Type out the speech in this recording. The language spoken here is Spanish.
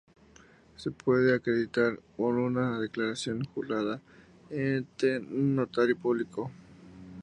Se puede acreditar con una declaración jurada ante un notario público.